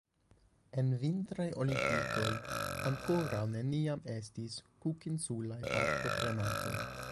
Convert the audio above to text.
En vintraj olimpikoj ankoraŭ neniam estis kukinsulaj partoprenantoj.